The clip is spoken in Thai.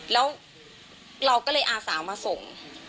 แล้วเราก็เลยอาสามาส่ง